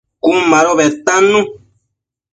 Cun mado bedtannu